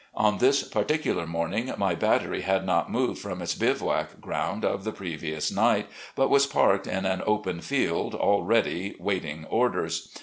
On this particular morning, my battery had not moved from its bivoviac ground of the previous night, but was parked in an open field all ready, waiting orders.